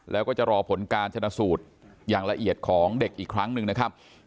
แล้วก็จะรอผลการชนะสูตรอย่างละเอียดของเด็กอีกครั้งหนึ่งนะครับ